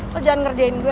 lo jangan ngerjain gue ya